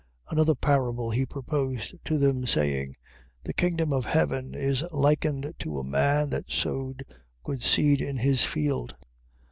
13:24. Another parable he proposed to them, saying: The kingdom of heaven is likened to a man that sowed good seed in his field.